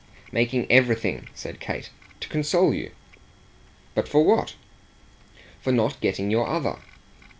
"Making everything," said Kate. "To console you." "But for what?" "For not getting your other."